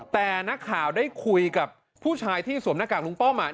แต่นักข่าวได้คุยกับผู้ชายที่สวมหน้ากากลุงป้อม